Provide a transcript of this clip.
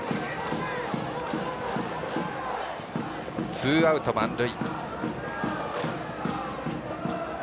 ツーアウト、満塁。